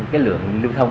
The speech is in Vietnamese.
cái lượng lưu thông